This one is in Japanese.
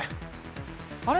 あれ？